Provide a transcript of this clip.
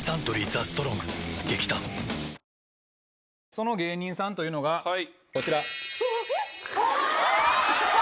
その芸人さんというのがこちら。